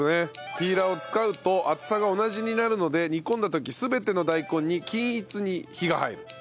ピーラーを使うと厚さが同じになるので煮込んだ時全ての大根に均一に火が入る。